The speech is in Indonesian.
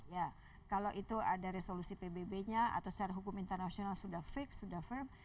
ya kalau itu ada resolusi pbb nya atau secara hukum internasional sudah fix sudah firm